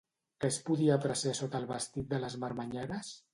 Què es podia apreciar sota el vestit de les marmanyeres?